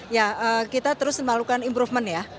ya kita terus melakukan improvement ya